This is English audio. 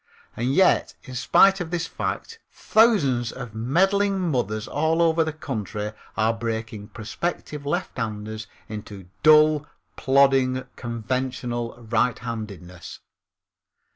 And yet, in spite of this fact, thousands of meddling mothers all over the country are breaking prospective lefthanders into dull, plodding, conventional righthandedness.